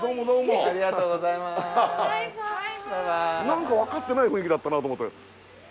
なんかわかってない雰囲気だったなと思って。